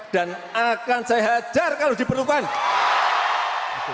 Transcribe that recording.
dan akan saya hajar kalau diperlukan